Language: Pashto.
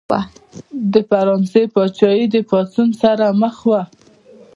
د فرانسې پاچاهي د پاڅون سره مخ وه.